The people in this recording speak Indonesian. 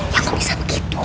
ya gak bisa begitu